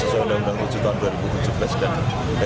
jadi akhirnya clear noisan pada universitas jawa asociarse